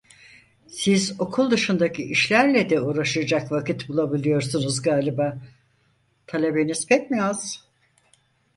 Siz okul dışındaki işlerle de uğraşacak vakit bulabiliyorsunuz galiba, talebeniz pek mi az?